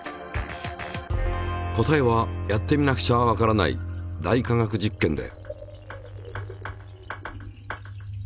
答えはやってみなくちゃわからない「大科学実験」で。